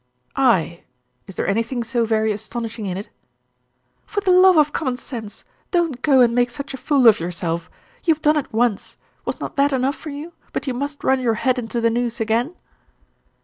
"I. Is there anything so very astonishing in it?" "For the love of common sense, don't go and make such a fool of yourself. You have done it once; was not that enough for you, but you must run your head into the noose again?"